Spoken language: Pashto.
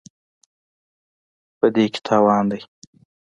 په دې کې تاوان دی.